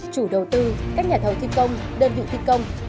chủ đầu tư các nhà thầu thi công đơn vị thi công